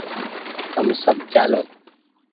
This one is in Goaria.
تم سب چآلو